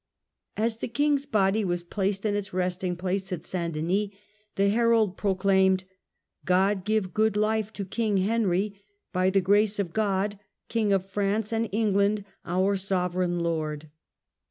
As the King's body was placed in its resting place at St. Denis, the Herald pro claimed : "God give good life to King Henry, by the grace of God, King of France and England our sovereign lord